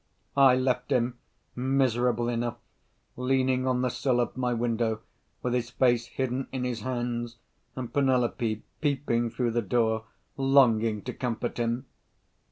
I left him, miserable enough, leaning on the sill of my window, with his face hidden in his hands and Penelope peeping through the door, longing to comfort him.